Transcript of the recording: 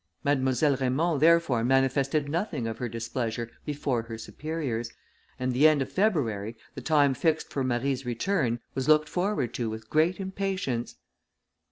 Mademoiselle Raymond therefore manifested nothing of her displeasure before her superiors, and the end of February, the time fixed for Marie's return, was looked forward to with great impatience.